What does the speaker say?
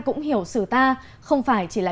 cũng hiểu sử ta không phải chỉ là